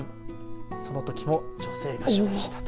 そのときも女性が勝利したと。